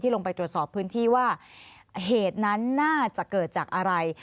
ลงไปตรวจสอบพื้นที่ว่าเหตุนั้นน่าจะเกิดจากอะไร